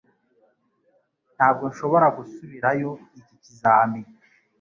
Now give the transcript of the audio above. Ntabwo nshobora gusubirayo iki kizami.